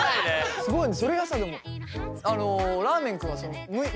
すごいね。